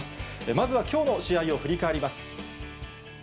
まずはきょうの試合を振り返ります。